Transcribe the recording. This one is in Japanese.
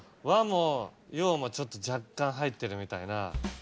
和も洋もちょっと若干入ってるみたいな。